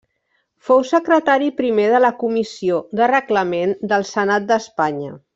Fou secretari primer de la Comissió de Reglament del Senat d'Espanya.